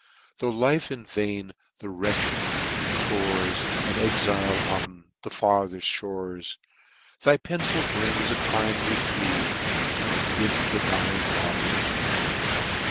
Tho* life in vain the wretch implores, An exile on the fartheft fhores, Thy pencil brings a kind reprieve, And bids the dying robber live.